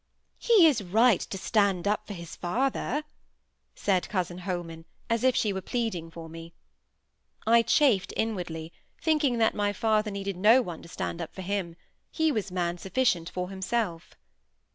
"He is right to stand up for his father," said cousin Holman, as if she were pleading for me. I chafed inwardly, thinking that my father needed no one to stand up for him. He was man sufficient for himself.